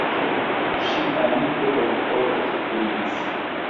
Ŝi amike, bonkore ekridis.